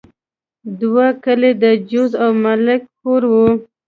دوه کلي د جوزه او ملک پور وو.